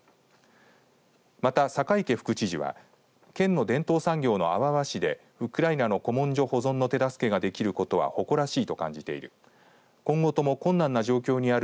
また、酒池副知事は県の伝統産業の阿波和紙でウクライナの古文書保存の手助けができることは誇らしいと感じている。